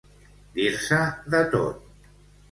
Dir-se de tot.